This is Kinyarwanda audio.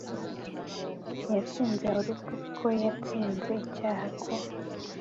yatsinze urupfu, ko yatsinze icyaha, ko